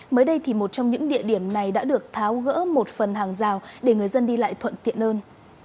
mới đây thì một trong những địa điểm này đã được tháo gỡ một phần hàng rào để người dân đi lại thuận tiện hơn